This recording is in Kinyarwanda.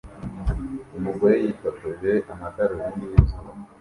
Umugore yifotoje amadarubindi yizuba